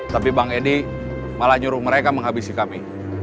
tapi bang edi malah nyuruh mereka menghabisi kami